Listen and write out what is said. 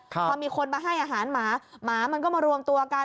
พอมีคนมาให้อาหารหมาหมามันก็มารวมตัวกัน